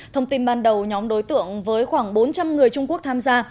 thông tin ban đầu nhóm đối tượng với khoảng bốn trăm linh người trung quốc tham gia